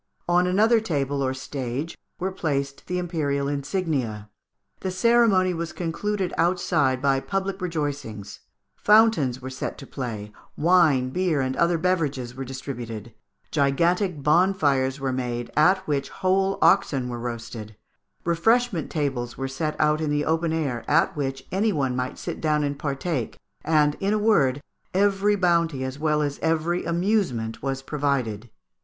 On another table or stage were placed the Imperial insignia. The ceremony was concluded outside by public rejoicings: fountains were set to play; wine, beer, and other beverages were distributed; gigantic bonfires were made, at which whole oxen were roasted; refreshment tables were set out in the open air, at which any one might sit down and partake, and, in a word, every bounty as well as every amusement was provided.